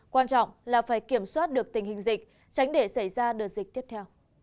quan trọng là phải kiểm soát được tình hình dịch tránh để xảy ra đợt dịch tiếp theo